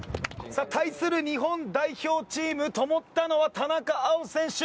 対する日本代表チームともったのは田中碧選手。